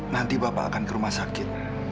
nanti bapak akan ke rumah sakit